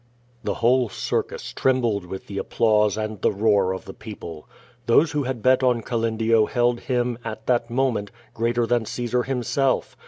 The whole circus trembled with the applause and the roar of the people Those who had bet on Calendio held him, at that moment, greater than Caesar himself.